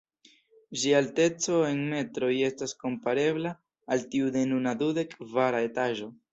Ĝia alteco en metroj estas komparebla al tiu de nuna dudek kvara etaĝo.